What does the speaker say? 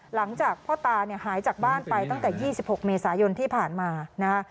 หลังจากพ่อตาเนี่ยหายจากบ้านไปตั้งแต่๒๖เมษายนที่ผ่านมานะฮะ